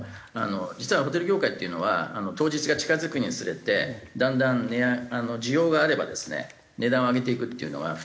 実はホテル業界っていうのは当日が近付くにつれてだんだん需要があればですね値段を上げていくっていうのは普通の事でですね